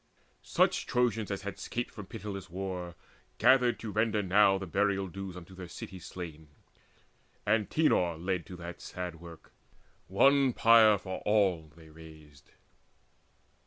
Such Trojans as had scaped from pitiless war Gathered to render now the burial dues Unto their city's slain. Antenor led To that sad work: one pyre for all they raised.